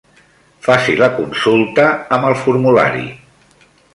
Faci la consulta amb el formulari.